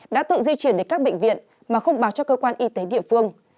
đã tự di chuyển đến các bệnh viện mà không báo cho cơ quan y tế địa phương